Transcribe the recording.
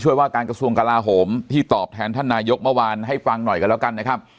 ช่วยว่าการกระทรวงกาลาโหมที่ตอบแทนท่านนายยกเมื่อวานให้ฟังหน่อยกัน